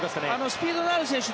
スピードのある選手